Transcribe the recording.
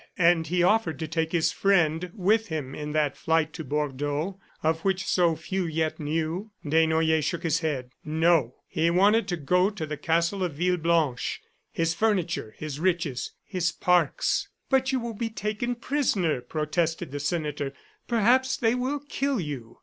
And he offered to take his friend with him in that flight to Bordeaux of which so few yet knew. Desnoyers shook his head. No; he wanted to go the castle of Villeblanche. His furniture ... his riches ... his parks. "But you will be taken prisoner!" protested the senator. "Perhaps they will kill you!"